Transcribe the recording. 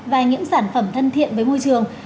và những sản phẩm thân thiện với môi trường